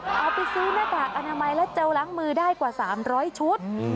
เอาไปซื้อหน้ากากอนามัยและเจลล้างมือได้กว่า๓๐๐ชุด